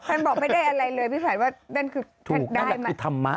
ท่านบอกไม่ได้อะไรเลยพี่ภัยว่านั่นคือถ้าได้มาถูกนั่นแหละคือธรรมะ